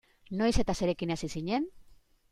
Noiz eta zerekin hasi zinen?